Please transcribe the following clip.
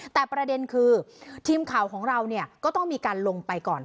แต่ประเด็นคือทีมข่าวของเราเนี่ยก็ต้องมีการลงไปก่อน